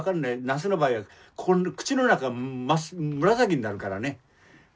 ナスの場合は口の中紫になるからね。